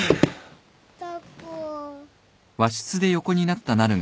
・タコ。